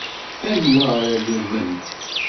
Anwa ara lumment?